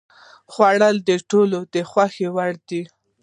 خور د ټولو د خوښې وړ ده.